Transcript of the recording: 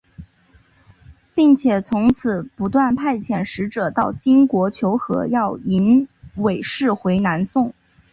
并且从此不断派遣使者到金国求和要迎韦氏回南宋。